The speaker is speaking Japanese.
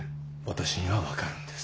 私には分かるんです。